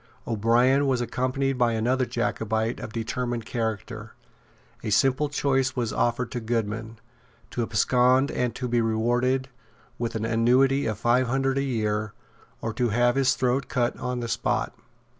O'Brien was accompanied by another Jacobite of determined character. A simple choice was offered to Goodman, to abscond and to be rewarded with an annuity of five hundred a year, or to have his throat cut on the spot.